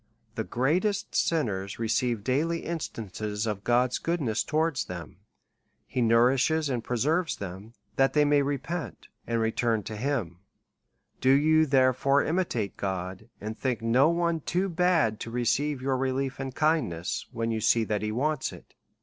The great est sinners receive daily instances of God's goodnesfts towards them ; he nourishes and preserves them, that they may repent, and return to him ; do you there fore, imitate God, and think no one too bad to receive your relief and kindness, when you see that he wants it.